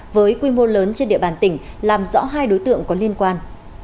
với quy mô lớn trên địa bàn tỉnh làm rõ hai đối tượng có liên quan